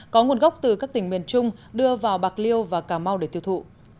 có nguồn gốc từ các tỉnh miền trung đưa vào bạc liêu và cà mau để tiêu thụ